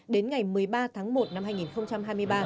đến ngày một mươi ba tháng một năm hai nghìn hai mươi ba